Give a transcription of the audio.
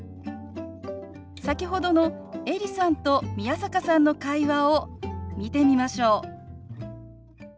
先ほどのエリさんと宮坂さんの会話を見てみましょう。